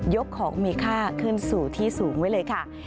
กของมีค่าขึ้นสู่ที่สูงไว้เลยค่ะ